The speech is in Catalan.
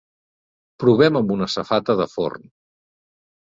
Provem amb una safata de forn.